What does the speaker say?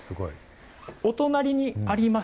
お隣にあります